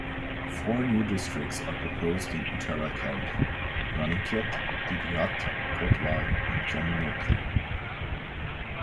Four new districts are proposed in Uttarakhand: Ranikhet, Didihat, Kotdwar and Yamunotri.